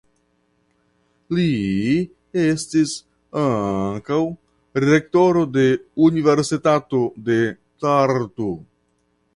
Li estis ankaŭ rektoro de Universitato de Tartu.